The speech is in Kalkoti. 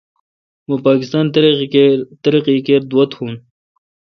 مہ پاکستان ترقی کر دعا تو